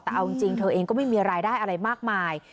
แต่เอาจริงเธอเองก็ไม่มีรายได้อะไรมากมาย